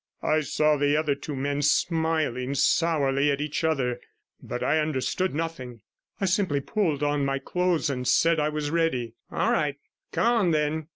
I saw the other two men smiling sourly at each other, but I understood nothing. I simply pulled on my clothes and said I was ready. 'All right; come on, then.